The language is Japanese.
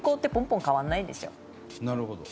なるほど。